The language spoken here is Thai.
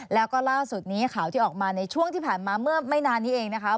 แล้วก็ล่าสุดนี้ข่าวที่ออกมาในช่วงที่ผ่านมาเมื่อไม่นานนี้เองนะคะ